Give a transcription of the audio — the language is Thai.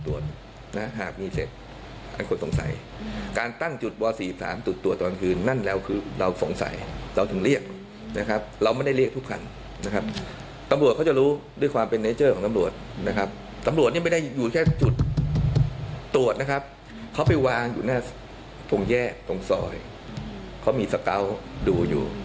วางอยู่หน้าตรงแยกตรงซอยเขามีสกัลดูอยู่